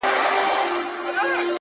نو دغه نوري شپې بيا څه وكړمه ـ